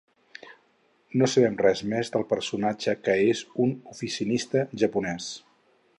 No sabem res més del personatge que és un oficinista japonès.